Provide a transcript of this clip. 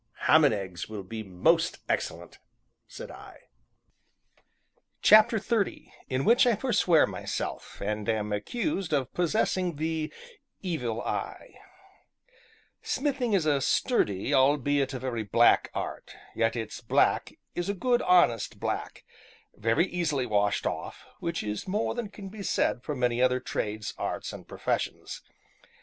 "Ham and eggs will be most excellent!" said I. CHAPTER XXX IN WHICH I FORSWEAR MYSELF AND AM ACCUSED OF POSSESSING THE "EVIL EYE" Smithing is a sturdy, albeit a very black art; yet its black is a good, honest black, very easily washed off, which is more than can be said for many other trades, arts, and professions.